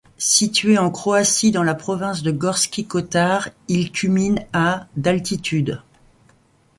Situé en Croatie dans la province de Gorski Kotar, il culmine à d’altitude.